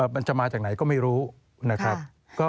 มันจะมาจากไหนก็ไม่รู้นะครับ